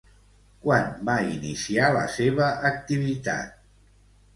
Quan va iniciar la seva activitat?